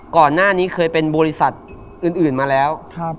ก่อนหน้านี้เคยเป็นบริษัทอื่นมาแล้ว